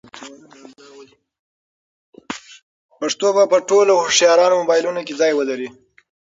پښتو به په ټولو هوښیارانو موبایلونو کې ځای ولري.